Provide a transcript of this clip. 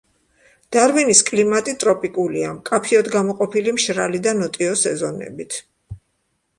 დარვინის კლიმატი ტროპიკულია, მკაფიოდ გამოყოფილი მშრალი და ნოტიო სეზონებით.